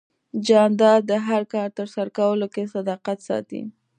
جانداد د هر کار ترسره کولو کې صداقت ساتي.